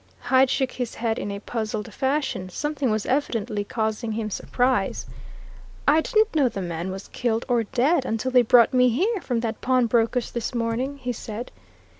Hyde shook his head in a puzzled fashion something was evidently causing him surprise. "I didn't know the man was killed, or dead, until they brought me here, from that pawnbroker's this morning!" he said.